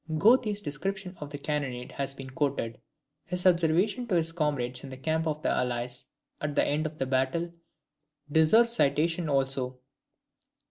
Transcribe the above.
Goethe's description of the cannonade has been quoted. His observation to his comrades in the camp of the Allies, at the end of the battle, deserves citation also.